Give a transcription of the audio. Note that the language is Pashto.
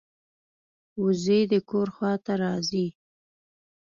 وزې د کور خوا ته راځي